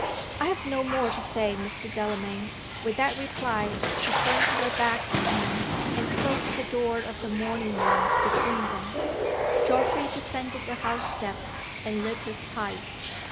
"I have no more to say, Mr. Delamayn." With that reply she turned her back on him, and closed the door of the morning room between them. Geoffrey descended the house steps and lit his pipe.